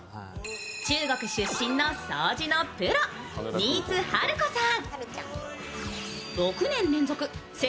中国出身の掃除のプロ、新津春子さん。